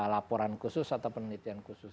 laporan khusus atau penelitian khusus